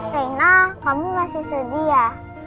rina kamu masih sedih ya